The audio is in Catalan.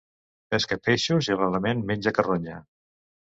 Pesca peixos i rarament menja carronya.